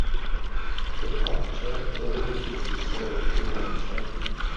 The pup jerked the leash as he saw a feline shape.